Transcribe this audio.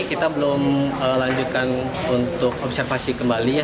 kita belum lanjutkan untuk observasi kembali ya